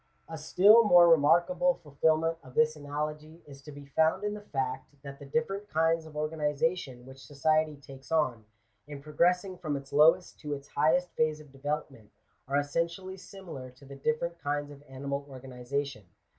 A still more remarkable fulfilment of this analogy is to be found in the fact, that the different kinds of organization which society takes on, in progressing from its lowest to its highest phase of development, are essentially similar to the different kinds of animal organization.